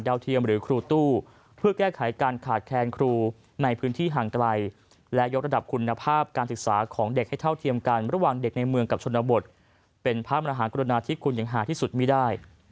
เทียมหรือครูตู้เพื่อแก้ไขการขาดแคลนครูในพื้นที่ห่างไกลและยกระดับคุณภาพการศึกษาของเด็กให้เท่าเทียมกันระหว่างเด็กในเมืองกับชนบทเป็นพระมหากรุณาธิคุณอย่างหาที่สุดไม่ได้